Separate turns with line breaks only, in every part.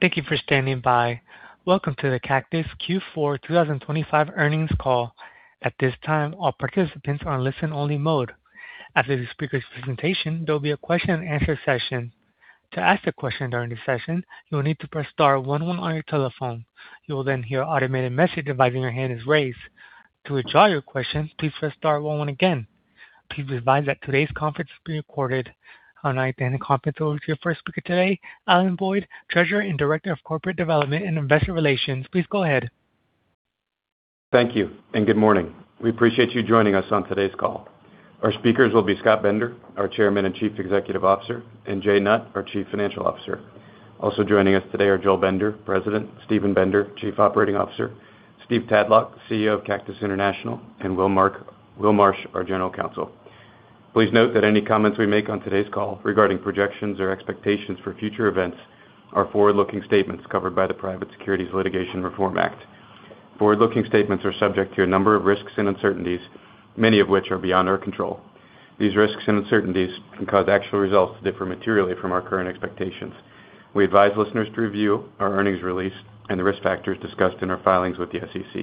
Thank you for standing by. Welcome to the Cactus Q4 2025 Earnings Call. At this time, all participants are in listen-only mode. After the speaker's presentation, there will be a question-and-answer session. To ask a question during the session, you will need to press star one one on your telephone. You will then hear an automated message advising your hand is raised. To withdraw your question, please press star one one again. Please be advised that today's conference is being recorded. I'll now hand the conference over to your first speaker today, Alan Boyd, Treasurer and Director of Corporate Development and Investor Relations. Please go ahead.
Thank you, and good morning. We appreciate you joining us on today's call. Our speakers will be Scott Bender, our Chairman and Chief Executive Officer, and Jay Nutt, our Chief Financial Officer. Also joining us today are Joel Bender, President, Steven Bender, Chief Operating Officer, Steve Tadlock, CEO of Cactus International, and Will Marsh, our General Counsel. Please note that any comments we make on today's call regarding projections or expectations for future events are forward-looking statements covered by the Private Securities Litigation Reform Act. Forward-looking statements are subject to a number of risks and uncertainties, many of which are beyond our control. These risks and uncertainties can cause actual results to differ materially from our current expectations. We advise listeners to review our earnings release and the risk factors discussed in our filings with the SEC.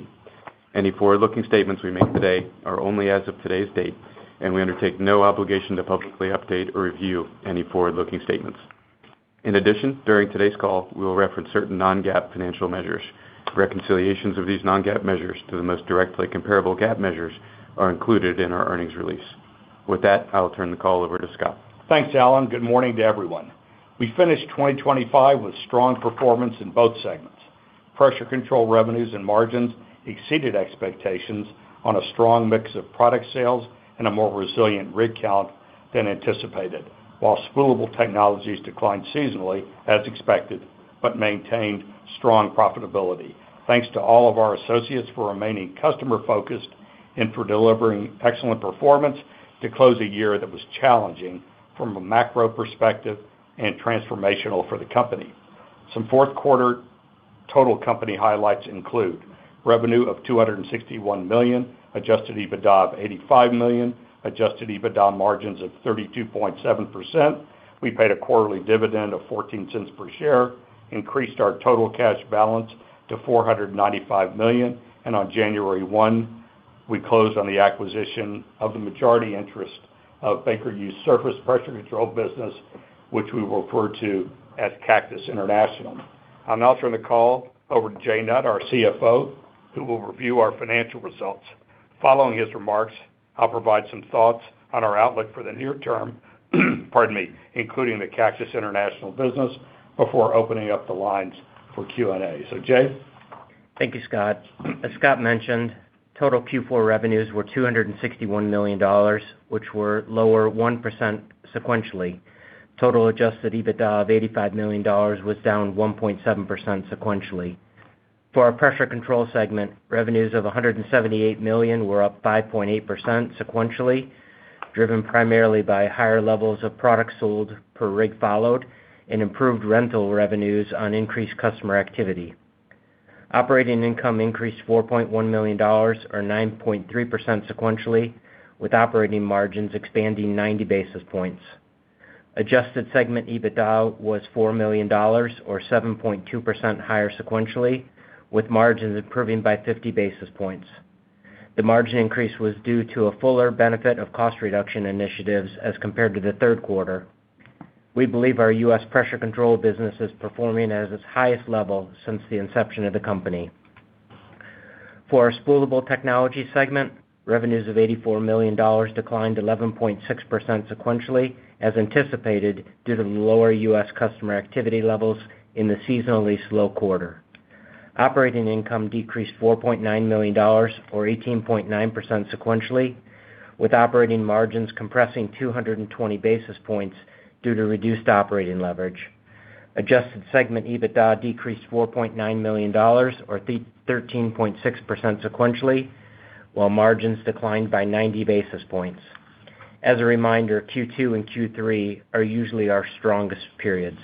Any forward-looking statements we make today are only as of today's date. We undertake no obligation to publicly update or review any forward-looking statements. In addition, during today's call, we will reference certain non-GAAP financial measures. Reconciliations of these non-GAAP measures to the most directly comparable GAAP measures are included in our earnings release. With that, I'll turn the call over to Scott.
Thanks, Alan. Good morning to everyone. We finished 2025 with strong performance in both segments. Pressure Control revenues and margins exceeded expectations on a strong mix of product sales and a more resilient rig count than anticipated, while Spoolable Technologies declined seasonally, as expected, but maintained strong profitability. Thanks to all of our associates for remaining customer-focused and for delivering excellent performance to close a year that was challenging from a macro perspective and transformational for the company. Some fourth quarter total company highlights include revenue of $261 million, Adjusted EBITDA of $85 million, Adjusted EBITDA margins of 32.7%. We paid a quarterly dividend of $0.14 per share, increased our total cash balance to $495 million, and on January 1, we closed on the acquisition of the majority interest of Baker Hughes surface Pressure Control business, which we will refer to as Cactus International. I'll now turn the call over to Jay Nutt, our CFO, who will review our financial results. Following his remarks, I'll provide some thoughts on our outlook for the near term, pardon me, including the Cactus International business, before opening up the lines for Q&A. Jay?
Thank you, Scott. As Scott mentioned, total Q4 revenues were $261 million, which were lower 1% sequentially. Total Adjusted EBITDA of $85 million was down 1.7% sequentially. For our Pressure Control segment, revenues of $178 million were up 5.8% sequentially, driven primarily by higher levels of products sold per rig followed and improved rental revenues on increased customer activity. Operating income increased $4.1 million or 9.3% sequentially, with operating margins expanding 90 basis points. Adjusted segment EBITDA was $4 million or 7.2% higher sequentially, with margins improving by 50 basis points. The margin increase was due to a fuller benefit of cost reduction initiatives as compared to the third quarter. We believe our U.S. Pressure Control business is performing at its highest level since the inception of the company. For our Spoolable Technologies segment, revenues of $84 million declined 11.6% sequentially, as anticipated, due to the lower U.S. customer activity levels in the seasonally slow quarter. Operating income decreased $4.9 million or 18.9% sequentially, with operating margins compressing 220 basis points due to reduced operating leverage. Adjusted segment EBITDA decreased $4.9 million or 13.6% sequentially, while margins declined by 90 basis points. As a reminder, Q2 and Q3 are usually our strongest periods.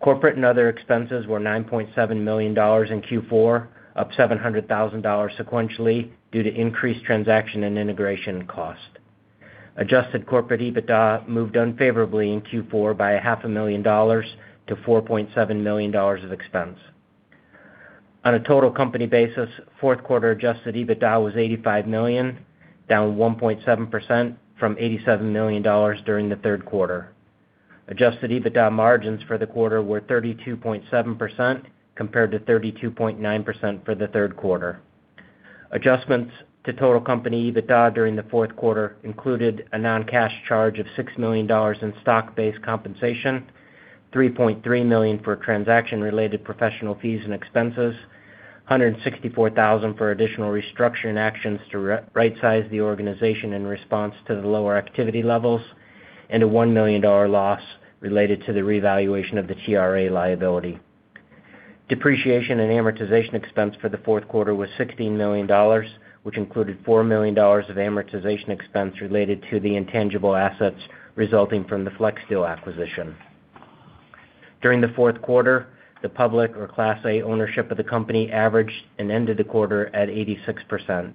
Corporate and other expenses were $9.7 million in Q4, up $700,000 sequentially due to increased transaction and integration cost. Adjusted corporate EBITDA moved unfavorably in Q4 by a half a million dollars to $4.7 million of expense. On a total company basis, fourth quarter Adjusted EBITDA was $85 million, down 1.7% from $87 million during the third quarter. Adjusted EBITDA margins for the quarter were 32.7%, compared to 32.9% for the third quarter. Adjustments to total company EBITDA during the fourth quarter included a non-cash charge of $6 million in stock-based compensation, $3.3 million for transaction-related professional fees and expenses, $164,000 for additional restructuring actions to rightsize the organization in response to the lower activity levels, and a $1 million loss related to the revaluation of the TRA liability. Depreciation and amortization expense for the fourth quarter was $16 million, which included $4 million of amortization expense related to the intangible assets resulting from the FlexSteel acquisition. During the fourth quarter, the public, or Class A, ownership of the company averaged and ended the quarter at 86%.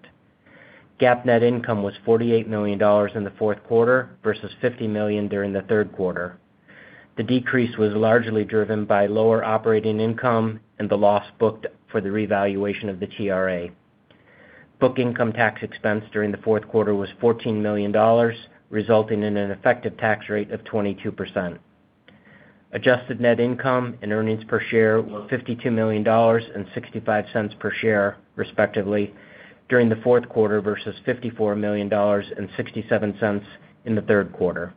GAAP net income was $48 million in the fourth quarter versus $50 million during the third quarter. The decrease was largely driven by lower operating income and the loss booked for the revaluation of the TRA. Book income tax expense during the fourth quarter was $14 million, resulting in an effective tax rate of 22%. Adjusted net income and earnings per share were $52 million and $0.65 per share, respectively, during the fourth quarter, versus $54 million and $0.67 in the third quarter.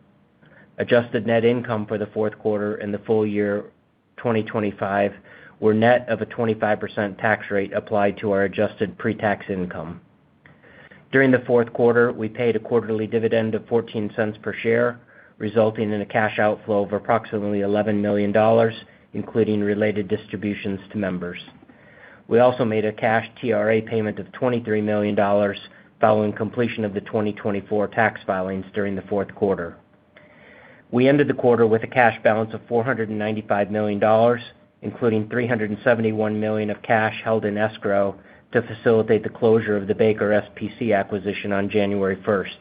Adjusted net income for the fourth quarter and the full year 2025 were net of a 25% tax rate applied to our Adjusted pre-tax income. During the fourth quarter, we paid a quarterly dividend of $0.14 per share, resulting in a cash outflow of approximately $11 million, including related distributions to members. We also made a cash TRA payment of $23 million following completion of the 2024 tax filings during the fourth quarter. We ended the quarter with a cash balance of $495 million, including $371 million of cash held in escrow to facilitate the closure of the Baker SPC acquisition on January 1st.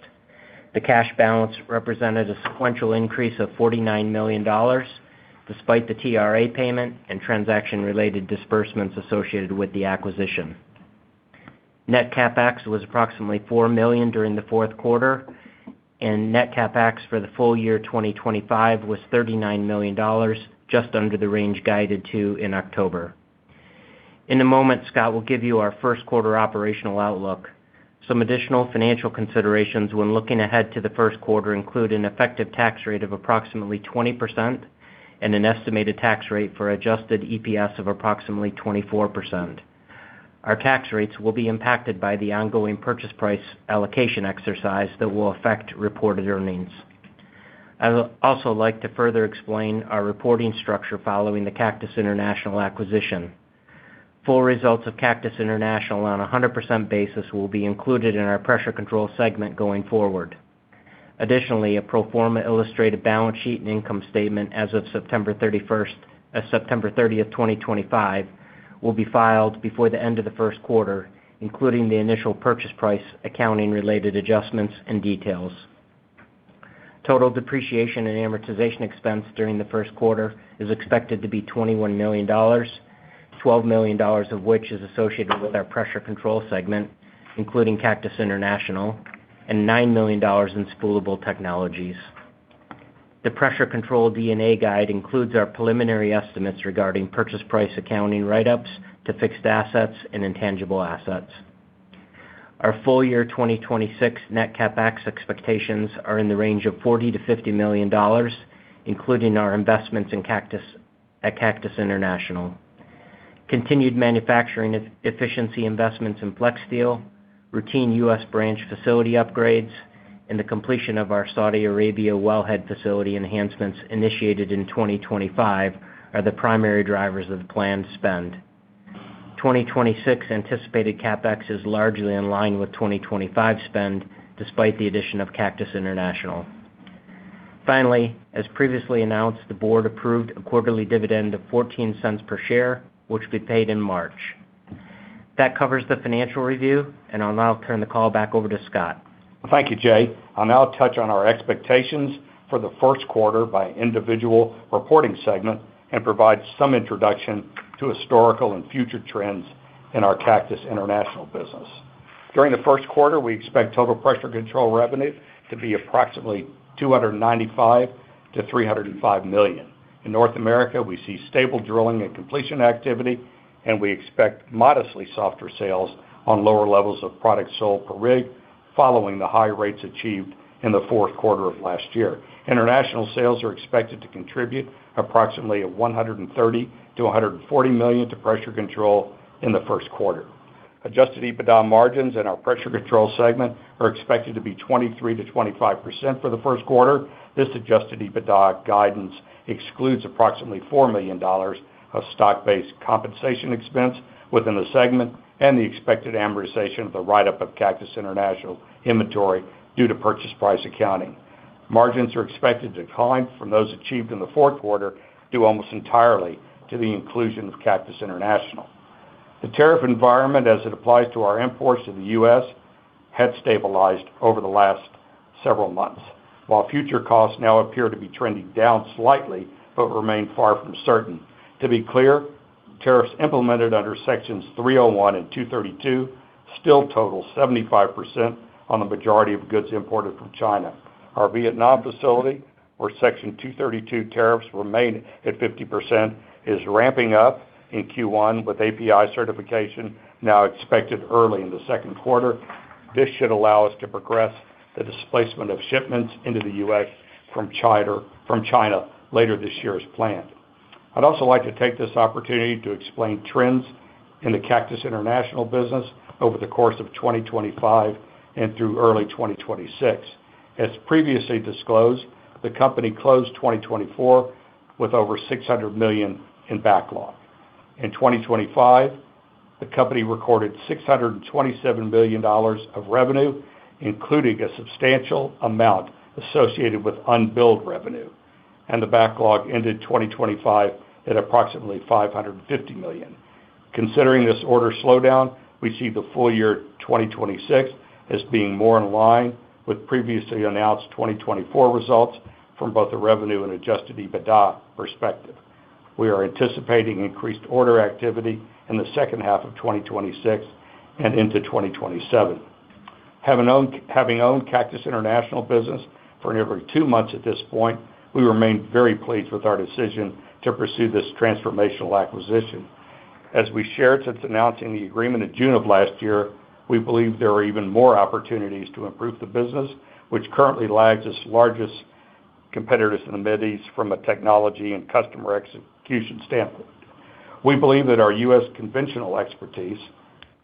The cash balance represented a sequential increase of $49 million, despite the TRA payment and transaction-related disbursements associated with the acquisition. Net CapEx was approximately $4 million during the fourth quarter, net CapEx for the full year 2025 was $39 million, just under the range guided to in October. In a moment, Scott will give you our first quarter operational outlook. Some additional financial considerations when looking ahead to the first quarter include an effective tax rate of approximately 20% and an estimated tax rate for adjusted EPS of approximately 24%. Our tax rates will be impacted by the ongoing purchase price allocation exercise that will affect reported earnings. I would also like to further explain our reporting structure following the Cactus International acquisition. Full results of Cactus International on a 100% basis will be included in our Pressure Control segment going forward. Additionally, a pro forma illustrated balance sheet and income statement as of September 30th, 2025, will be filed before the end of the first quarter, including the initial purchase price, accounting-related adjustments and details. Total depreciation and amortization expense during the first quarter is expected to be $21 million, $12 million of which is associated with our Pressure Control segment, including Cactus International, and $9 million in Spoolable Technologies. The Pressure Control D&A guide includes our preliminary estimates regarding purchase price, accounting write-ups to fixed assets and intangible assets. Our full year 2026 net CapEx expectations are in the range of $40 million-$50 million, including our investments at Cactus International. Continued manufacturing efficiency investments in FlexSteel, routine U.S. branch facility upgrades, and the completion of our Saudi Arabia wellhead facility enhancements initiated in 2025, are the primary drivers of the planned spend. 2026 anticipated CapEx is largely in line with 2025 spend, despite the addition of Cactus International. Finally, as previously announced, the board approved a quarterly dividend of $0.14 per share, which will be paid in March. That covers the financial review, and I'll now turn the call back over to Scott Bender.
Thank you, Jay. I'll now touch on our expectations for the first quarter by individual reporting segment and provide some introduction to historical and future trends in our Cactus International business. During the first quarter, we expect total Pressure Control revenue to be approximately $295 million-$305 million. In North America, we see stable drilling and completion activity, and we expect modestly softer sales on lower levels of products sold per rig, following the high rates achieved in the fourth quarter of last year. International sales are expected to contribute approximately $130 million-$140 million to Pressure Control in the first quarter. Adjusted EBITDA margins in our Pressure Control segment are expected to be 23%-25% for the first quarter. This Adjusted EBITDA guidance excludes approximately $4 million of stock-based compensation expense within the segment and the expected amortization of the write-up of Cactus International inventory due to purchase price accounting. Margins are expected to decline from those achieved in the fourth quarter, due almost entirely to the inclusion of Cactus International. The tariff environment, as it applies to our imports in the U.S., had stabilized over the last several months, while future costs now appear to be trending down slightly, but remain far from certain. To be clear, tariffs implemented under Sections 301 and 232 still total 75% on the majority of goods imported from China. Our Vietnam facility, where Section 232 tariffs remain at 50%, is ramping up in Q1, with API certification now expected early in the second quarter. This should allow us to progress the displacement of shipments into the U.S. from China later this year as planned. I'd also like to take this opportunity to explain trends in the Cactus International business over the course of 2025 and through early 2026. As previously disclosed, the company closed 2024 with over $600 million in backlog. In 2025, the company recorded $627 billion of revenue, including a substantial amount associated with unbilled revenue.... The backlog ended 2025 at approximately $550 million. Considering this order slowdown, we see the full year 2026 as being more in line with previously announced 2024 results from both the revenue and Adjusted EBITDA perspective. We are anticipating increased order activity in the second half of 2026 and into 2027. Having owned Cactus International business for nearly 2 months at this point, we remain very pleased with our decision to pursue this transformational acquisition. As we shared since announcing the agreement in June of last year, we believe there are even more opportunities to improve the business, which currently lags its largest competitors in the Mideast from a technology and customer execution standpoint. We believe that our U.S. conventional expertise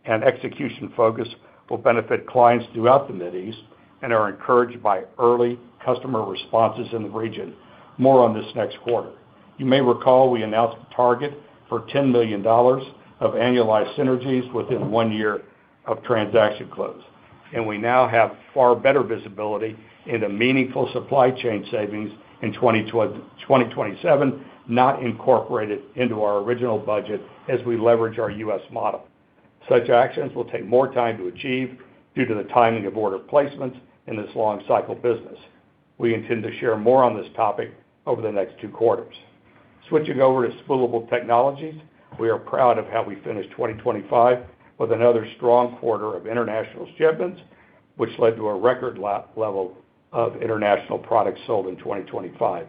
and execution focus will benefit clients throughout the Mideast and are encouraged by early customer responses in the region. More on this next quarter. You may recall, we announced a target for $10 million of annualized synergies within 1 year of transaction close, and we now have far better visibility into meaningful supply chain savings in 2027, not incorporated into our original budget as we leverage our U.S. model. Such actions will take more time to achieve due to the timing of order placements in this long cycle business. We intend to share more on this topic over the next 2 quarters. Switching over to Spoolable Technologies, we are proud of how we finished 2025 with another strong quarter of international shipments, which led to a record level of international products sold in 2025.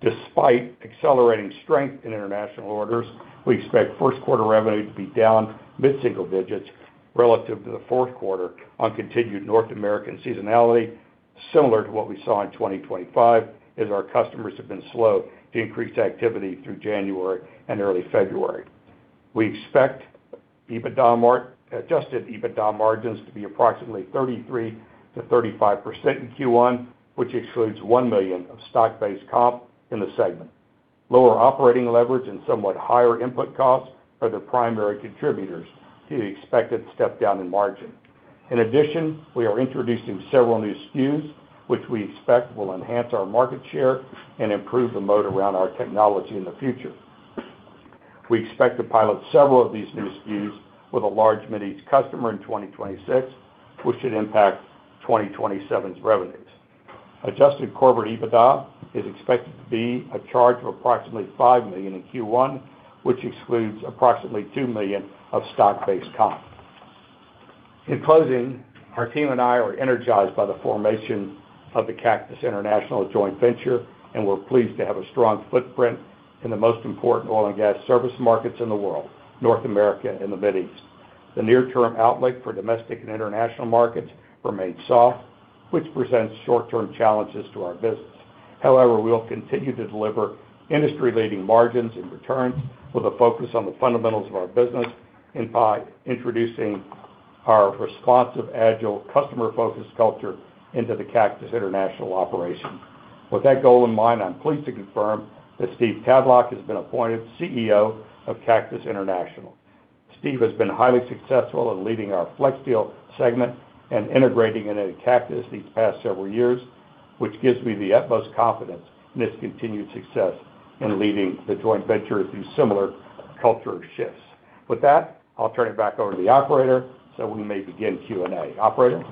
Despite accelerating strength in international orders, we expect first quarter revenue to be down mid-single digits relative to the fourth quarter on continued North American seasonality, similar to what we saw in 2025, as our customers have been slow to increase activity through January and early February. We expect Adjusted EBITDA margins to be approximately 33%-35% in Q1, which excludes $1 million of stock-based comp in the segment. Lower operating leverage and somewhat higher input costs are the primary contributors to the expected step down in margin. In addition, we are introducing several new SKUs, which we expect will enhance our market share and improve the mode around our technology in the future. We expect to pilot several of these new SKUs with a large Mideast customer in 2026, which should impact 2027's revenues. Adjusted corporate EBITDA is expected to be a charge of approximately $5 million in Q1, which excludes approximately $2 million of stock-based comp. In closing, our team and I are energized by the formation of the Cactus International Joint Venture, and we're pleased to have a strong footprint in the most important oil and gas service markets in the world, North America and the Mideast. The near-term outlook for domestic and international markets remains soft, which presents short-term challenges to our business. However, we will continue to deliver industry-leading margins and returns with a focus on the fundamentals of our business and by introducing our responsive, agile, customer-focused culture into the Cactus International operation. With that goal in mind, I'm pleased to confirm that Stephen Tadlock has been appointed CEO of Cactus International. Stephen has been highly successful in leading our FlexSteel segment and integrating it into Cactus these past several years, which gives me the utmost confidence in his continued success in leading the joint venture through similar culture shifts. With that, I'll turn it back over to the operator, so we may begin Q&A. Operator?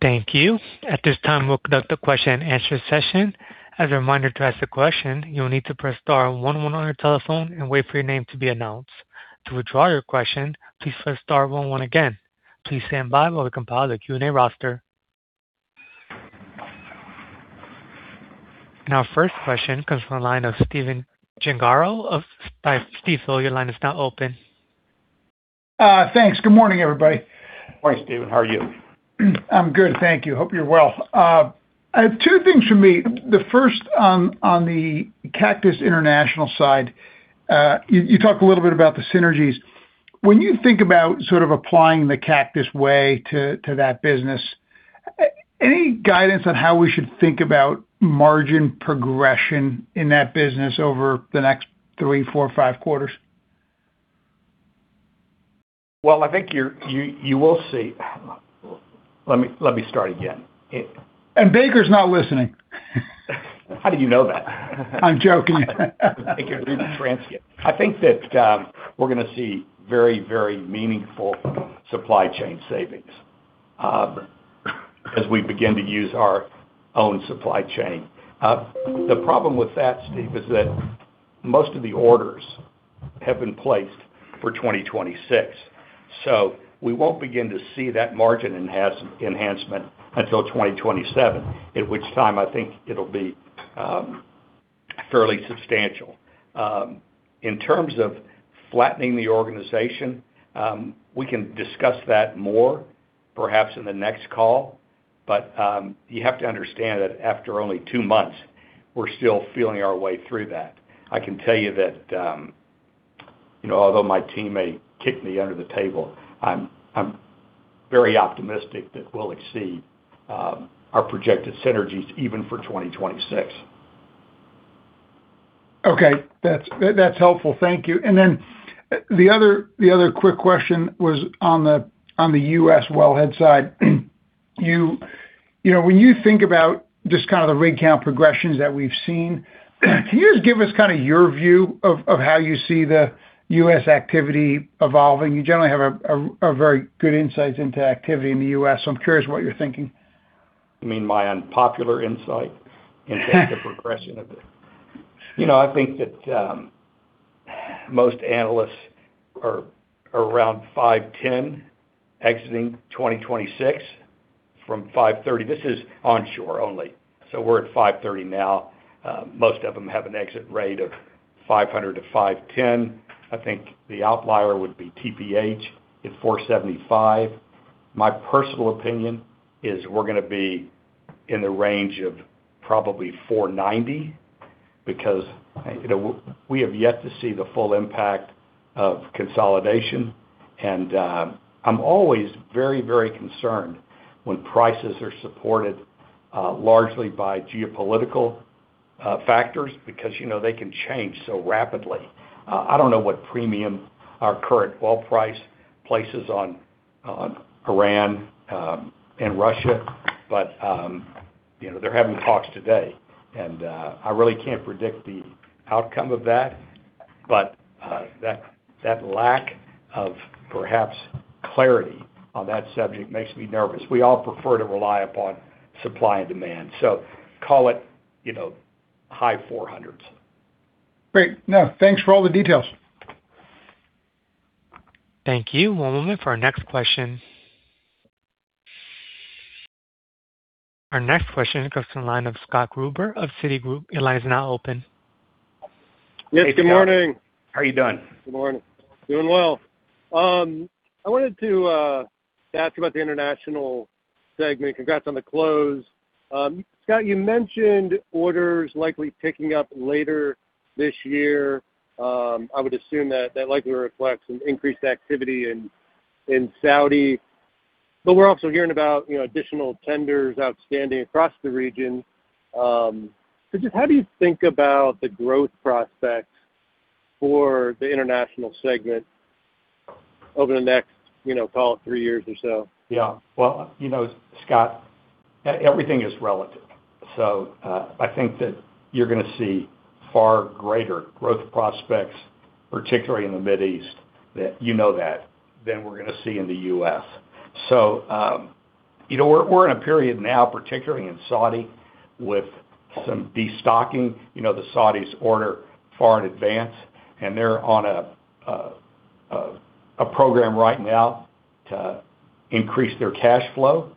Thank you. At this time, we'll conduct the question and answer session. As a reminder, to ask a question, you will need to press star one one on your telephone and wait for your name to be announced. To withdraw your question, please press star one one again. Please stand by while we compile the Q&A roster. Our first question comes from the line of Steven Gengaro of Stifel, your line is now open.
Thanks. Good morning, everybody.
Morning, Steven. How are you?
I'm good, thank you. Hope you're well. I have two things for me. The first, on the Cactus International side, you talked a little bit about the synergies. When you think about sort of applying the Cactus way to that business, any guidance on how we should think about margin progression in that business over the next three, four, or five quarters?
Well, I think you will see. Let me start again.
Baker's not listening.
How did you know that?
I'm joking.
I can read the transcript. I think that we're gonna see very, very meaningful supply chain savings as we begin to use our own supply chain. The problem with that, Steve, is that most of the orders have been placed for 2026, we won't begin to see that margin enhancement until 2027, at which time I think it'll be fairly substantial. In terms of flattening the organization, we can discuss that more, perhaps in the next call. You have to understand that after only two months, we're still feeling our way through that. I can tell you that, you know, although my team may kick me under the table, I'm very optimistic that we'll exceed our projected synergies even for 2026.
Okay, that's helpful. Thank you. Then, the other quick question was on the U.S. wellhead side. You know, when you think about just kind of the rig count progressions that we've seen, can you just give us kind of your view of how you see the U.S. activity evolving? You generally have a very good insights into activity in the U.S., so I'm curious what you're thinking.
You mean my unpopular insight into the progression of it? You know, I think that most analysts are around 510, exiting 2026 from 530. This is onshore only, so we're at 530 now. Most of them have an exit rate of 500-510. I think the outlier would be TPH at 475. My personal opinion is we're gonna be in the range of probably 490, because, you know, we have yet to see the full impact of consolidation. I'm always very, very concerned when prices are supported largely by geopolitical factors, because, you know, they can change so rapidly. I don't know what premium our current well price places on Iran and Russia, but, you know, they're having talks today. I really can't predict the outcome of that. That lack of perhaps clarity on that subject makes me nervous. We all prefer to rely upon supply and demand. Call it, you know, high $400s.
Great. No, thanks for all the details.
Thank you. One moment for our next question. Our next question goes to the line of Scott Gruber of Citigroup. Your line is now open.
Yes, good morning.
How are you doing?
Good morning. Doing well. I wanted to ask about the International Segment. Congrats on the close. Scott, you mentioned orders likely picking up later this year. I would assume that that likely reflects an increased activity in Saudi. We're also hearing about, you know, additional tenders outstanding across the region. Just how do you think about the growth prospects for the International Segment over the next, you know, call it, 3 years or so?
Well, you know, Scott Bender, everything is relative. I think that you're gonna see far greater growth prospects, particularly in the Middle East, that you know that, than we're gonna see in the U.S. You know, we're in a period now, particularly in Saudi Arabia, with some destocking. You know, the Saudis order far in advance, and they're on a program right now to increase their cash flow.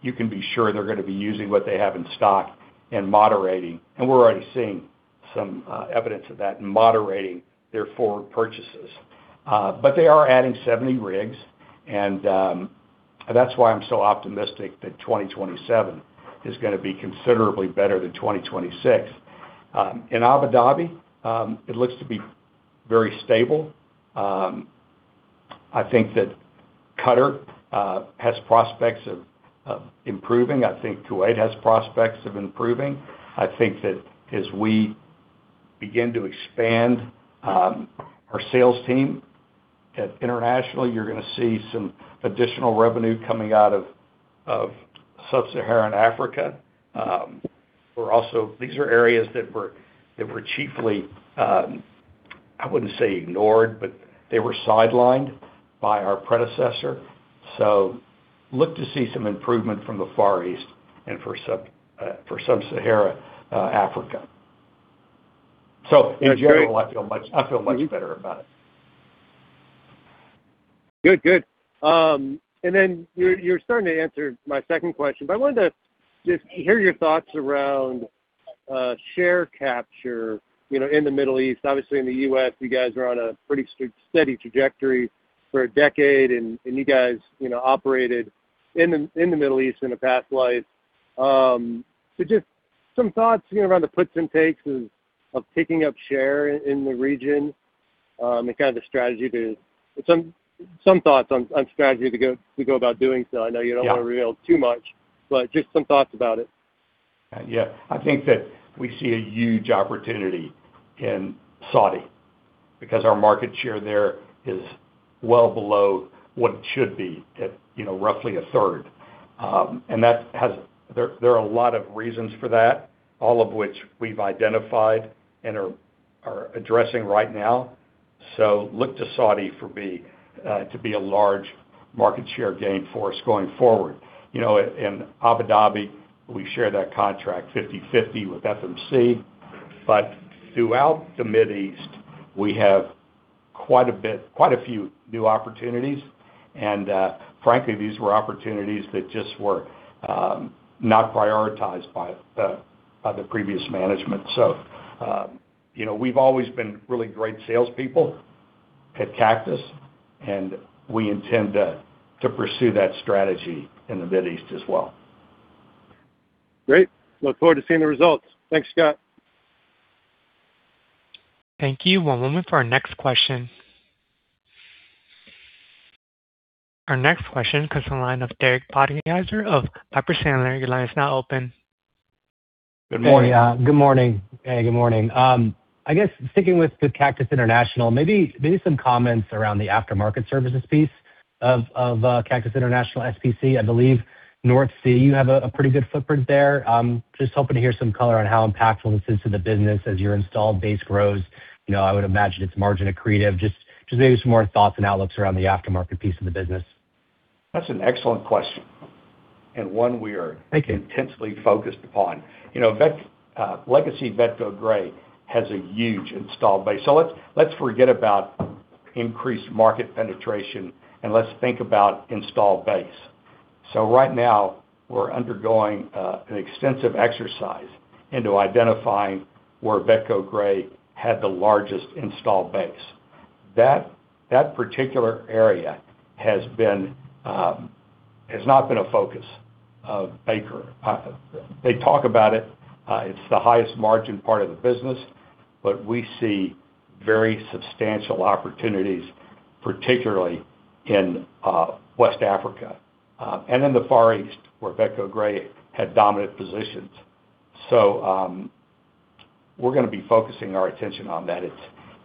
You can be sure they're gonna be using what they have in stock and moderating. We're already seeing some evidence of that in moderating their forward purchases. They are adding 70 rigs, and that's why I'm so optimistic that 2027 is gonna be considerably better than 2026. In Abu Dhabi, it looks to be very stable. I think that Qatar has prospects of improving. I think Kuwait has prospects of improving. I think that as we begin to expand our sales team at internationally, you're gonna see some additional revenue coming out of sub-Saharan Africa. These are areas that were chiefly, I wouldn't say ignored, but they were sidelined by our predecessor. Look to see some improvement from the Far East and for sub-Sahara Africa. In general, I feel much, I feel much better about it.
Good. Good. You're, you're starting to answer my second question, but I wanted to just hear your thoughts around share capture, you know, in the Middle East. Obviously, in the U.S., you guys are on a pretty steady trajectory for a decade, and you guys, you know, operated in the Middle East in a past life. Just some thoughts, you know, around the puts and takes of picking up share in the region, and kind of the strategy to. Some thoughts on strategy to go about doing so. I know you.
Yeah
don't want to reveal too much, but just some thoughts about it.
Yeah. I think that we see a huge opportunity in Saudi because our market share there is well below what it should be at, you know, roughly 1/3. There are a lot of reasons for that, all of which we've identified and are addressing right now. Look to Saudi for to be a large market share gain for us going forward. You know, in Abu Dhabi, we share that contract 50/50 with TechnipFMC. Throughout the Mid East, we have quite a few new opportunities, and frankly, these were opportunities that just were not prioritized by the previous management. You know, we've always been really great salespeople at Cactus, and we intend to pursue that strategy in the Mid East as well.
Great. Look forward to seeing the results. Thanks, Scott.
Thank you. One moment for our next question. Our next question comes from the line of Derek Podhaizer of Piper Sandler. Your line is now open.
Good morning.
Good morning. Hey, good morning. I guess sticking with the Cactus International, maybe some comments around the aftermarket services piece of Cactus International SPC. I believe North Sea, you have a pretty good footprint there. Just hoping to hear some color on how impactful this is to the business as your installed base grows. You know, I would imagine it's margin accretive. Just maybe some more thoughts and outlooks around the aftermarket piece of the business.
That's an excellent question, and one we are intensely focused upon. You know, Legacy Vetco Gray has a huge installed base. Let's forget about increased market penetration, and let's think about installed base. Right now, we're undergoing an extensive exercise into identifying where Vetco Gray had the largest installed base. That particular area has not been a focus of Baker. They talk about it's the highest margin part of the business, but we see very substantial opportunities, particularly in West Africa and in the Far East, where Vetco Gray had dominant positions. We're gonna be focusing our attention on that.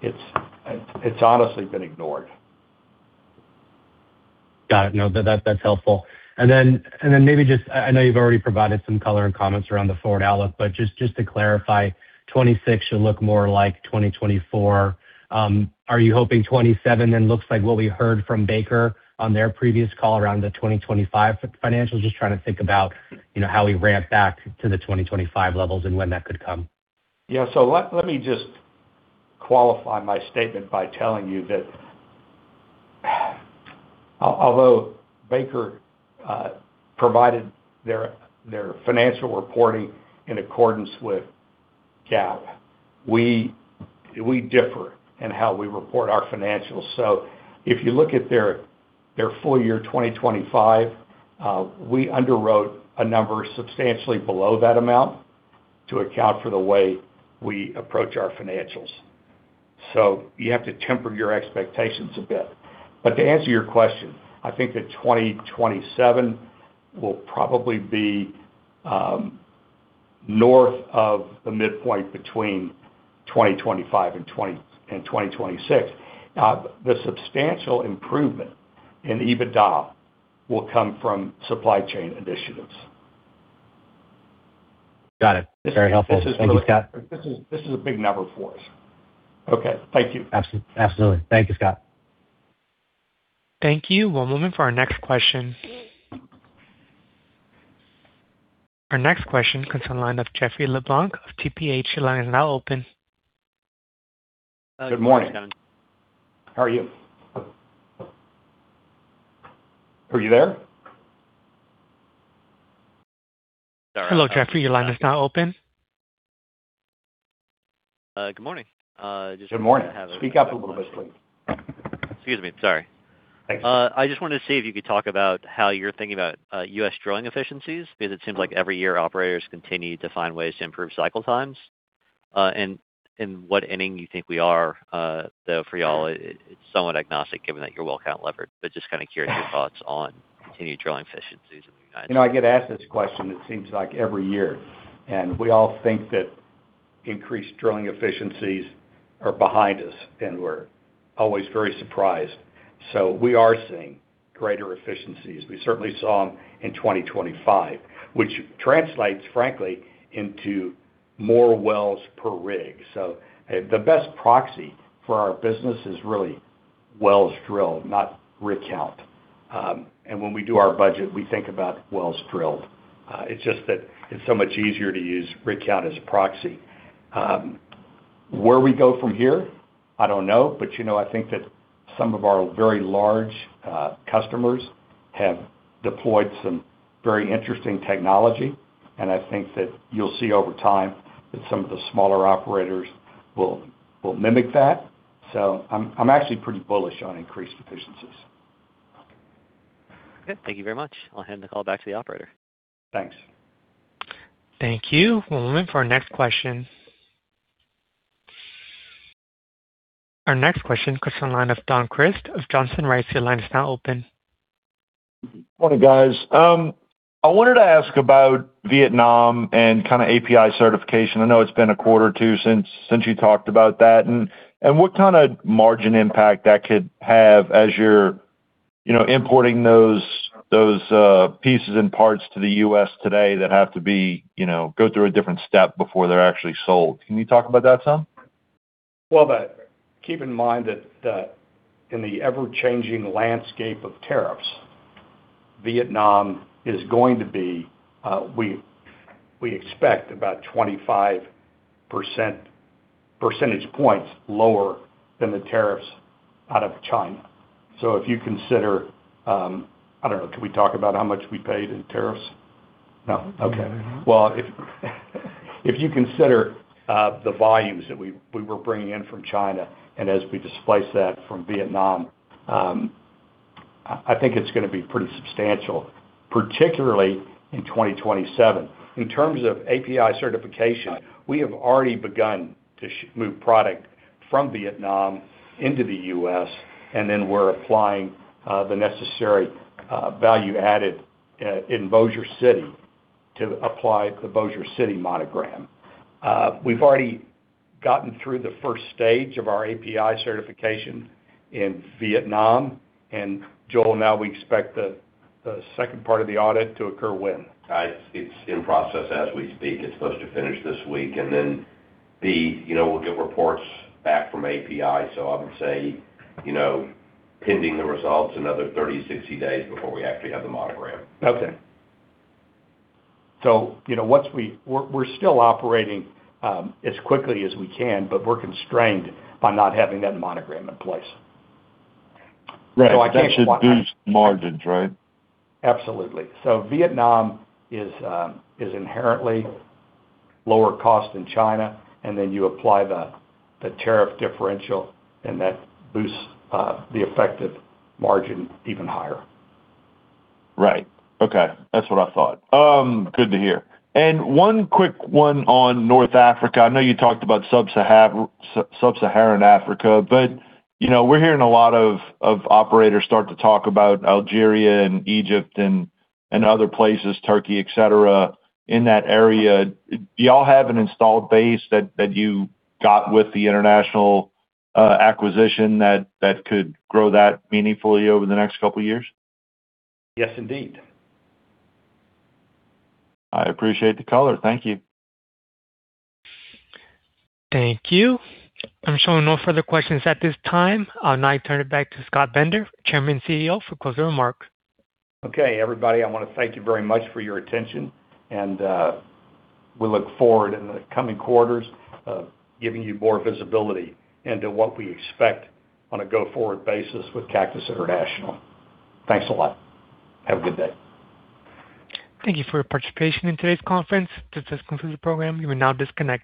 It's honestly been ignored.
Got it. No, that's helpful. Maybe just. I know you've already provided some color and comments around the forward outlook, but just to clarify, 2026 should look more like 2024. Are you hoping 2027 then looks like what we heard from Baker on their previous call around the 2025 financials? Just trying to think about, you know, how we ramp back to the 2025 levels and when that could come.
Let me just qualify my statement by telling you that although Baker Hughes provided their financial reporting in accordance with GAAP, we differ in how we report our financials. If you look at their full year 2025, we underwrote a number substantially below that amount to account for the way we approach our financials. You have to temper your expectations a bit. To answer your question, I think that 2027 will probably be north of the midpoint between 2025 and 2026. The substantial improvement in EBITDA will come from supply chain initiatives.
Got it. Very helpful.
This is-
Thank you, Scott.
This is a big number for us. Okay. Thank you.
Absolutely. Thank you, Scott.
Thank you. We're moving for our next question. Our next question comes from the line of Jeffrey LeBlanc of TPH, your line is now open.
Good morning. How are you? Are you there?
Hello, Jeffrey, your line is now open.
Good morning.
Good morning. Speak up a little bit, please.
Excuse me. Sorry.
Thanks.
I just wanted to see if you could talk about how you're thinking about U.S. drilling efficiencies, because it seems like every year operators continue to find ways to improve cycle times. What inning you think we are, though, for y'all, it's somewhat agnostic, given that you're well count levered, but just kind of curious your thoughts on continued drilling efficiencies in the United States.
You know, I get asked this question, it seems like every year. We all think that increased drilling efficiencies are behind us, and we're always very surprised. We are seeing greater efficiencies. We certainly saw them in 2025, which translates, frankly, into more wells per rig. The best proxy for our business is really wells drilled, not rig count. When we do our budget, we think about wells drilled. It's just that it's so much easier to use rig count as a proxy. Where we go from here, I don't know. You know, I think that some of our very large customers have deployed some very interesting technology, and I think that you'll see over time that some of the smaller operators will mimic that. I'm actually pretty bullish on increased efficiencies.
Okay. Thank you very much. I'll hand the call back to the operator.
Thanks.
Thank you. We'll move in for our next question. Our next question comes on the line of Don Crist of Johnson Rice. Your line is now open.
Morning, guys. I wanted to ask about Vietnam and kind of API certification. I know it's been a quarter or two since you talked about that, and what kind of margin impact that could have as you're, you know, importing those pieces and parts to the U.S. today that have to be, you know, go through a different step before they're actually sold.
Can you talk about that, Don? Keep in mind that in the ever-changing landscape of tariffs, Vietnam is going to be, we expect about 25 percentage points lower than the tariffs out of China. If you consider, I don't know, can we talk about how much we paid in tariffs? No. Okay. If you consider the volumes that we were bringing in from China, and as we displace that from Vietnam, I think it's gonna be pretty substantial, particularly in 2027. In terms of API certification, we have already begun to move product from Vietnam into the U.S., and then we're applying the necessary value added in Bossier City to apply the Bossier City monogram. We've already gotten through the first stage of our API certification in Vietnam, and Joel, now we expect the second part of the audit to occur when?
It's in process as we speak. It's supposed to finish this week. You know, we'll get reports back from API. I would say, you know, pending the results, another 30, 60 days before we actually have the monogram.
Okay, you know, once we're still operating as quickly as we can, but we're constrained by not having that monogram in place.
Right. That should boost margins, right?
Absolutely. Vietnam is inherently lower cost than China, and then you apply the tariff differential, and that boosts the effective margin even higher.
Right. Okay, that's what I thought. Good to hear. One quick one on North Africa. I know you talked about Sub-Saharan Africa, you know, we're hearing a lot of operators start to talk about Algeria and Egypt and other places, Turkey, etc., in that area. Do y'all have an installed base that you got with the international acquisition that could grow that meaningfully over the next couple of years?
Yes, indeed.
I appreciate the color. Thank you.
Thank you. I'm showing no further questions at this time. I'll now turn it back to Scott Bender, Chairman and CEO, for closing remarks.
Everybody, I wanna thank you very much for your attention, and we look forward in the coming quarters of giving you more visibility into what we expect on a go-forward basis with Cactus International. Thanks a lot. Have a good day.
Thank you for your participation in today's conference. This concludes the program. You may now disconnect.